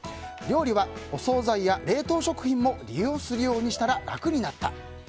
料理はお総菜や冷凍食品も利用するようにしたら楽になった。